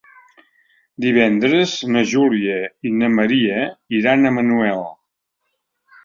Divendres na Júlia i na Maria iran a Manuel.